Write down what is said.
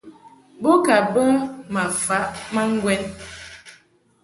Bo ka bə ma faʼ ma ŋgwɛn.